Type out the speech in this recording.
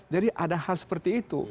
ada hal seperti itu